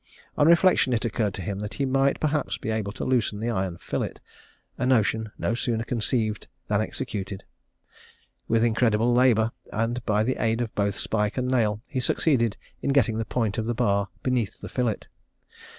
On reflection, it occurred to him that he might, perhaps, be able to loosen the iron fillet a notion no sooner conceived than executed. With incredible labour, and by the aid of both spike and nail, he succeeded in getting the point of the bar beneath the fillet.